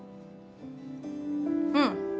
うん。